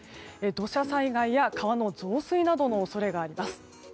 土砂災害や川の増水などの恐れがあります。